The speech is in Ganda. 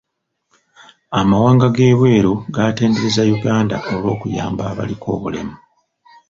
Amawanga g'ebweru gaatendereza Uganda olw'okuyamba abaliko obulemu.